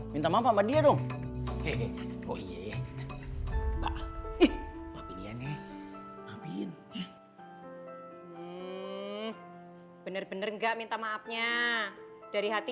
minta maaf sama dia dong oh iya iya mbak maafin iane maafin bener bener gak minta maafnya dari hati